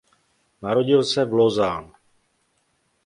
Narodil se v Lausanne.